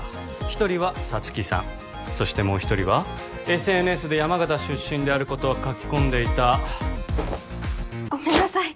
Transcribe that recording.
一人は沙月さんそしてもう一人はＳＮＳで山形出身であることを書き込んでいたごめんなさい